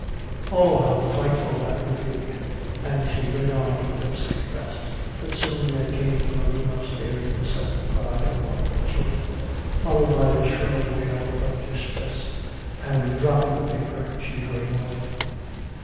"Oh, how frightful that would be." And she read on with lips compressed. But soon there came from a room upstairs the sudden cry of one of her children, followed by a shrill wail of distress. And dropping the paper, she hurried away.